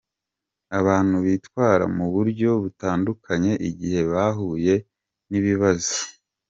Abantu bitwara mu buryo butandukanye igihe bahuye n’ibibazo.